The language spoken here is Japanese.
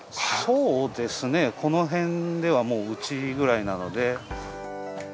そうですねこのへんではもううちくらいなので。